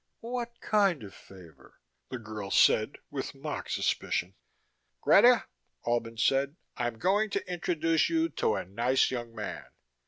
"What kind of favor?" the girl said with mock suspicion. "Greta," Albin said, "I'm going to introduce you to a nice young man."